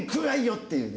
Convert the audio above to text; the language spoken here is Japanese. っていうね。